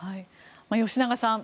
吉永さん